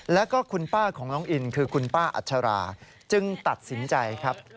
แล้วก็คุณป้าของน้องอินคือคุณป้าอัชราจึงตัดสินใจครับ